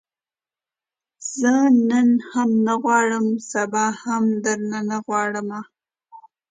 زه نن هم نه غواړم، سبا هم درنه نه غواړمه